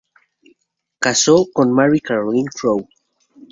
Casó con Mary Caroline Crowe.